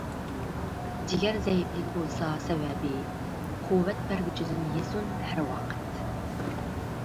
جىگەر زەئىپلىكى بولسا سەۋەبى، قۇۋۋەت بەرگۈچىدىن يېسۇن ھەر ۋاقىت.